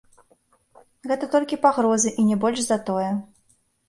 Гэта толькі пагрозы, і не больш за тое.